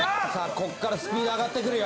ここからスピード上がってくるよ